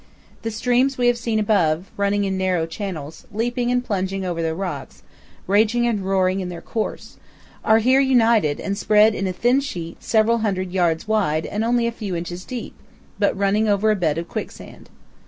The streams we have seen above, running in narrow channels, leaping and plunging over the rocks, raging and roaring in their course, are here united and spread in a thin sheet several hundred yards wide and only a few inches deep, but running over a bed of quicksand.